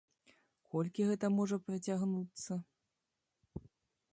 Колькі гэта можа працягнуцца?